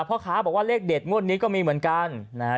พ่อค้าบอกว่าเลขเด็ดงวดนี้ก็มีเหมือนกันนะฮะ